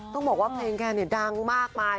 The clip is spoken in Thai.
ต้องบอกว่าเพลงแกเนี่ยดังมากมาย